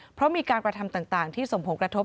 เพราะมีการกระทำต่างที่สมผงกระทบ